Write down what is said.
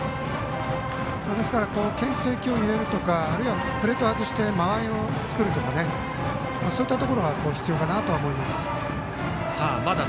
ですからけん制球を入れるとかあるいはプレートを外して間合いを作るとかそういったところが必要かと思います。